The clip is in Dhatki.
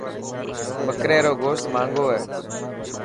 ٻڪري رو گوشت ماهنگو هي.